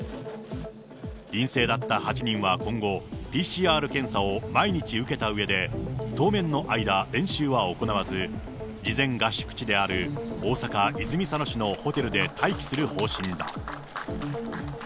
陰性だった８人は今後、ＰＣＲ検査を毎日受けたうえで、当面の間、練習は行わず、事前合宿地である大阪・泉佐野市のホテルで待機する方針だ。